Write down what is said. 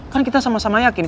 kan kita sama sama yakin